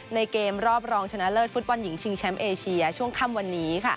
เกมรอบรองชนะเลิศฟุตบอลหญิงชิงแชมป์เอเชียช่วงค่ำวันนี้